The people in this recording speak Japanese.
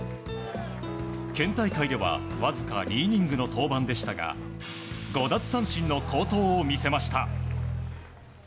県大会ではわずか２イニングの登板でしたが５奪三振の好投を見せました。